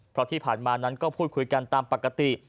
เพราะที่ผ่านมานั้นก็พูดคุยกันตามปกติ